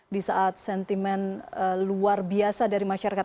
di saat sentimen luar biasa dari masyarakat